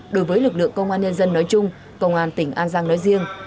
đối với lực lượng công an nhân dân nói chung công an tỉnh an giang nói riêng